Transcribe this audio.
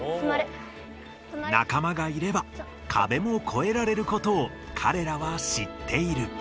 仲間がいればかべもこえられることを彼らはしっている。